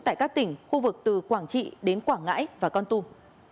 tại các tỉnh khu vực từ quảng trị đến quảng ngãi và con tum